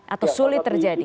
atau sulit terjadi